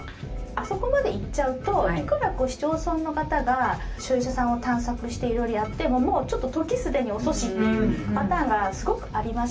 あそこまでいっちゃうといくら市町村の方が所有者さんを探索していろいろやってももうちょっと時既に遅しっていうパターンがすごくありまして。